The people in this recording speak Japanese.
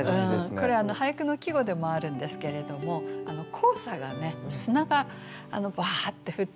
これ俳句の季語でもあるんですけれども黄砂がね砂がバーッて降ってくる。